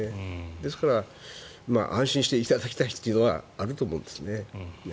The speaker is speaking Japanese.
ですから安心していただきたいというのはあると思うんですね。